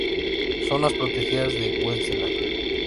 Zonas protegidas de Queensland